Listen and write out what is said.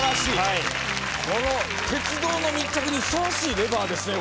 この鉄道の密着にふさわしいレバーですよ。